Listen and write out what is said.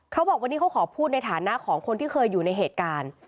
เขาบอกวันนี้เขาขอพูดในฐานะของคนที่เคยอยู่ในเหตุการณ์